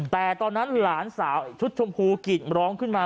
แต่ตอนนั้นหลานสาวชุดชมพูกิดร้องขึ้นมา